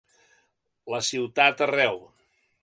La ciutat arreu!